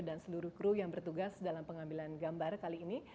seluruh kru yang bertugas dalam pengambilan gambar kali ini